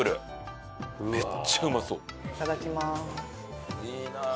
いただきます。